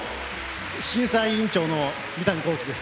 審査委員長の三谷幸喜です。